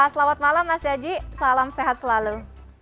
selamat malam mas yaji salam sehat selalu